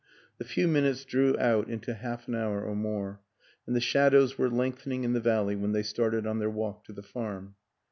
The few minutes drew out into half an hour or more, and the shadows were lengthening in the valley when they started on their walk to the farm.